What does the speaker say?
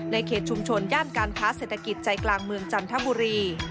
เขตชุมชนย่านการค้าเศรษฐกิจใจกลางเมืองจันทบุรี